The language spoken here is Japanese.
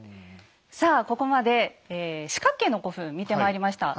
さあここまで四角形の古墳見てまいりました。